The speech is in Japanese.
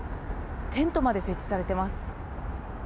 テントまで設置されてます。